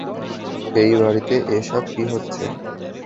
এই বাড়িতে এসব কী হচ্ছে?